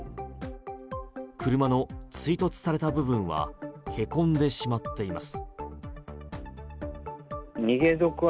車の追突された部分はへこんでしまっています。